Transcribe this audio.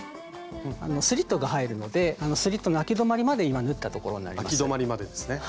スリットが入るのでスリットのあき止まりまで今縫ったところになります。